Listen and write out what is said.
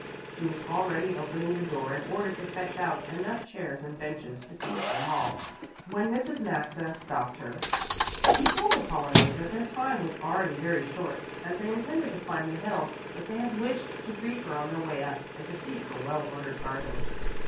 She was already opening the door in order to fetch out enough chairs and benches to seat them all when Mrs. Maxa stopped her. She told Apollonie that their time was already very short, as they intended to climb the hill, but they had wished to greet her on their way up and to see her well ordered garden.